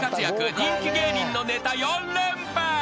人気芸人のネタ４連発。